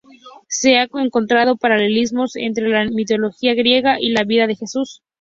Se han encontrado paralelismos entre la mitología griega y la vida de Jesús.